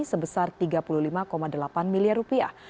sebesar tiga puluh lima delapan miliar rupiah